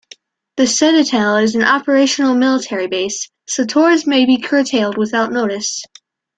The Citadel is an Operational Military Base, so Tours "may be curtailed without notice".